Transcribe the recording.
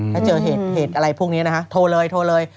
ถ้าเจอเหตุอะไรพวกนี้นะคะโทรเลยโทรเลย